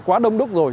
quá đông đúc rồi